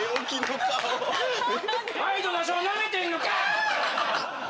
ワイドナショーなめてんのかー。